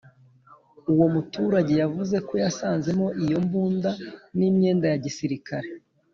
uwo muturage yavuzeko yasanzemo iyo mbunda n’imyenda ya gisirikare